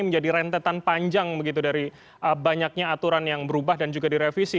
menjadi rentetan panjang begitu dari banyaknya aturan yang berubah dan juga direvisi